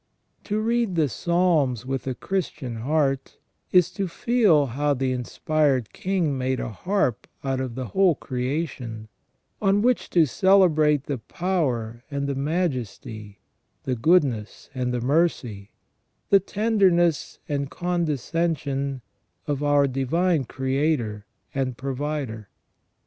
To read the Psalms with a Christian heart is to feel how the inspired king made a harp out of the whole creation, on which to celebrate the power and the majesty, the goodness and the mercy, the tenderness and condescension of our Divine Creator and Provider.